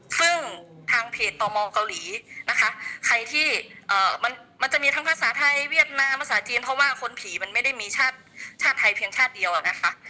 ซึ่งทางเพจต่อมองเกาหลีนะคะใครที่มันจะมีทั้งภาษาไทยเวียดนามภาษาจีนเพราะว่าคนผีมันไม่ได้มีชาติไทยเพียงชาติเดียวอะนะคะ